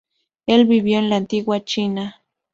Él vivió en la antigua China.